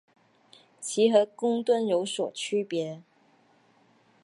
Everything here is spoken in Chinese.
其和公吨有所区别。